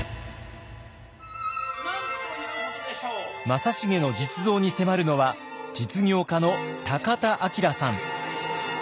正成の実像に迫るのは実業家の田明さん。